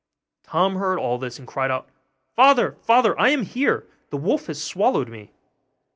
Tom heard all this, and cried out, 'Father, father! I am here, the wolf has swallowed me.